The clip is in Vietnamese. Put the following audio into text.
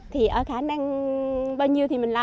thì ở khả năng bao nhiêu thì mình lo